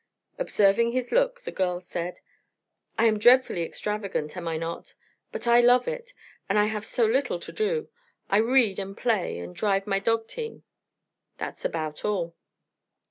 Observing his look, the girl said: "I am dreadfully extravagant, am I not? But I love it, and I have so little to do. I read and play and drive my dog team that's about all."